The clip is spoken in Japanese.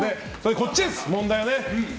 こっちです、問題は。